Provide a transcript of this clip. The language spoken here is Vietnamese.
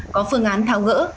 có phương án tháo gỡ